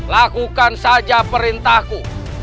lakukan saja perintahku